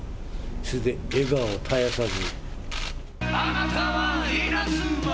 それで笑顔を絶やさず。